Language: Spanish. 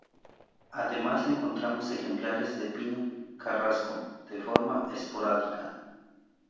Además encontramos ejemplares de pino carrasco de forma esporádica.